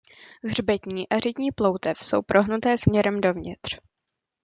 Hřbetní a řitní ploutev jsou prohnuté směrem dovnitř.